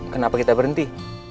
kenapa kita berhenti